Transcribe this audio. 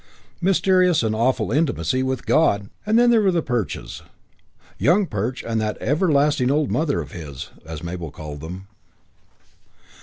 Mysterious and awful intimacy with God! IV And then there were the Perches "Young Perch and that everlasting old mother of his", as Mabel called them.